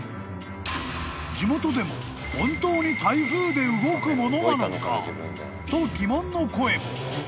［地元でも本当に台風で動くものなのかと疑問の声も］